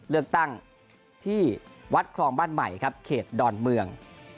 เลือกตั้งที่วัดครองบ้านใหม่ครับเขตดอนเมือง